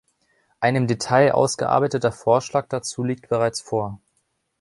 Ein im Detail ausgearbeiteter Vorschlag dazu liegt bereits vor.